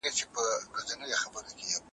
حضوري زده کړه د ډلې کار لپاره فرصت برابروي.